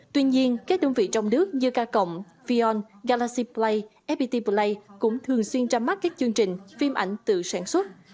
tuy nhiên các đơn vị trong nước như k cộng vion galaxy play fpt play cũng thường xuyên ra mắt các chương trình phim ảnh tự sản xuất